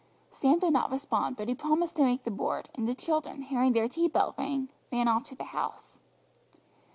Sam did not respond, but he promised to make the board, and the children, hearing their tea bell ring, ran off to the house.